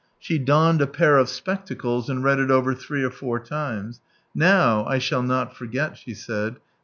She donned a pair of spectacles, and read it over three or four times, "Now I shall not forget," she said.